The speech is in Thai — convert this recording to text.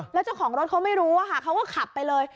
แล้วเจ้าของรถเค้าไม่รู้ก็ขับไปเลย